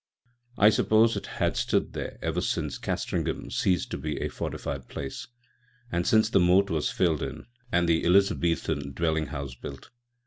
I suppose it had stood there ever since Castringham ceased to be a fortified place, and since the moat was filled in and the Elizabethan dwelling house built.